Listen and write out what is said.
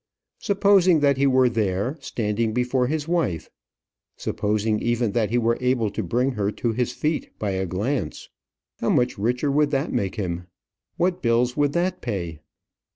Supposing that he were there, standing before his wife; supposing even that he were able to bring her to his feet by a glance, how much richer would that make him? What bills would that pay?